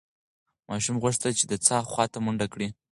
ماشوم غوښتل چې د څاه خواته منډه کړي.